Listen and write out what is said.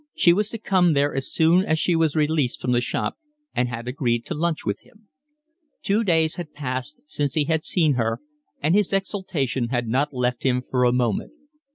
She was to come there as soon as she was released from the shop and had agreed to lunch with him. Two days had passed since he had seen her, and his exultation had not left him for a moment.